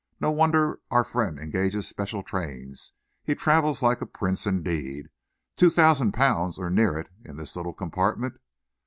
"No wonder our friend engages special trains! He travels like a prince, indeed. Two thousand pounds, or near it, in this little compartment.